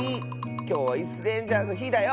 きょうは「イスレンジャー」のひだよ！